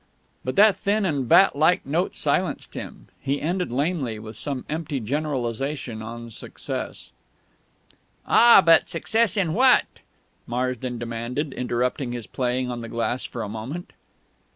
But that thin and bat like note silenced him. He ended lamely, with some empty generalisation on success. "Ah, but success in what?" Marsden demanded, interrupting his playing on the glass for a moment.